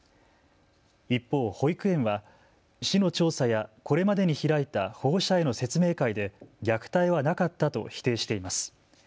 一方、保育園は市の調査やこれまでに開いた保護者への説明会で虐待はなかったと否定しています。